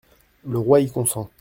Le roi y consent.